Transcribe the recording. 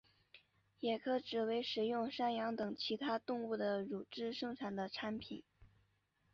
也可指为使用山羊等其他动物的乳汁生产的产品。